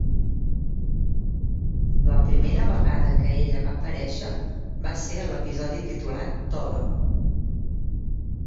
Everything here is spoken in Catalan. La primera vegada que ella va aparèixer va ser a l'episodi titulat "Tola".